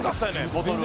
ボトル